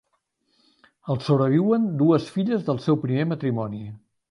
El sobreviuen dues filles del seu primer matrimoni.